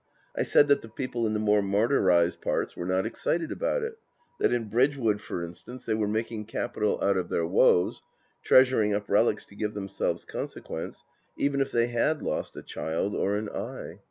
I said that the people in the more martyrized parts were not excited about it ; that in Bridge wood, for instance, they were making capital out of their woes, treasuring up relics to give themselves consequence, even if they had lost a child or an eye.